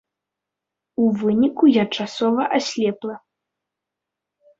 У выніку, я часова аслепла.